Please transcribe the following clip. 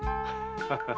ハハハ！